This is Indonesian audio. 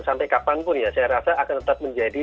sampai kapanpun ya saya rasa akan tetap menjadi